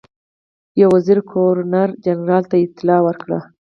یو وزیر ګورنر جنرال ته اطلاع ورکړه.